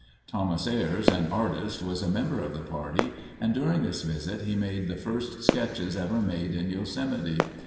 Thomas Ayres, an artist, was a member of the party and during this visit he made the first sketches ever made in Yosemite.